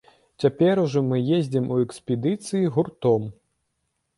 Цяпер ужо мы ездзім у экспедыцыі гуртом.